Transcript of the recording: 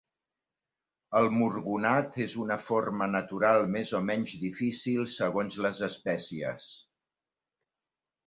El murgonat és una forma natural més o menys difícil segons les espècies.